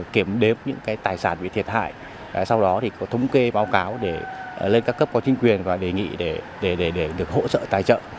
kiểm đếm những tài sản bị thiệt hại sau đó thì có thống kê báo cáo để lên các cấp có chính quyền và đề nghị để được hỗ trợ tài trợ